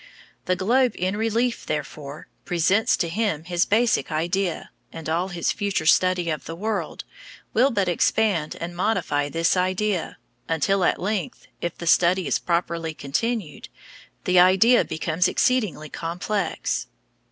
The globe in relief, therefore, presents to him his basic idea, and all his future study of the world will but expand and modify this idea, until at length, if the study is properly continued, the idea becomes exceedingly complex.